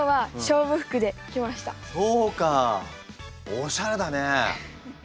おしゃれだね。